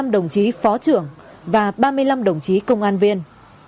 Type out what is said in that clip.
ba mươi năm đồng chí phó trưởng và ba mươi năm đồng chí công an viên